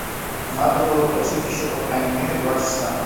Надо было прожить еще по крайней мере два часа.